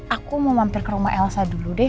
aku mau mampir ke rumah elsa dulu deh